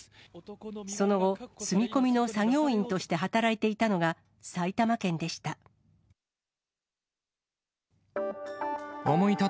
その後、住み込みの作業員として働いていたのが埼玉県でした。